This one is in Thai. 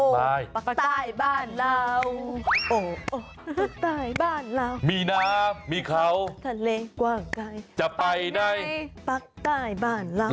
ปักใต้บ้านเรามีน้ำมีเขาทะเลกว่างใกล้จะไปในปักใต้บ้านเรา